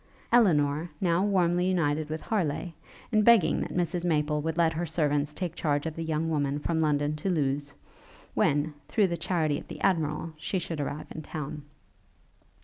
Elinor now warmly united with Harleigh, in begging that Mrs Maple would let her servants take charge of the young woman from London to Lewes, when, through the charity of the Admiral, she should arrive in town.